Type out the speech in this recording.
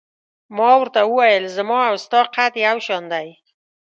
ما ورته وویل: زما او ستا قد یو شان دی.